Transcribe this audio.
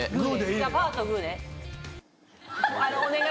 じゃあパーとグーね。